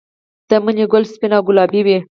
د مڼې ګل سپین او ګلابي وي؟